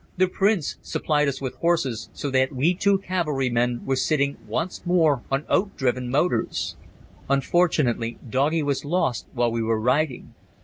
The Prince supplied us with horses so that we two cavalrymen were sitting once more on oat driven motors. Unfortunately doggie was lost while we were riding.